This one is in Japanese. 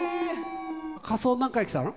仮装、何回来たの？